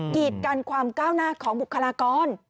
กีดกันความก้าวหน้าของบุคลากร